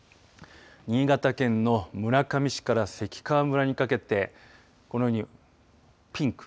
新潟県の村上市から関川村にかけてこのようにピンク。